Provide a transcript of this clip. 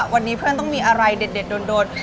วันนี้เพื่อนต้องมีอะไรเด็ดโดน